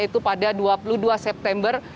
yaitu pada dua puluh dua september